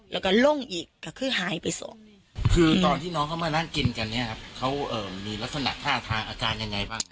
แล้วก็ล่งอีกก็คือหายไปสอง